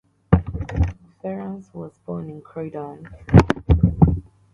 Torrance was born in Croydon.